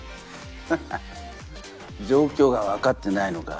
ハハ状況が分かってないのか？